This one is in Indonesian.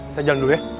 saya jalan dulu ya